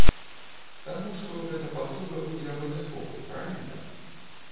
Таму, што гэта паслуга будзе абавязковай, правільна?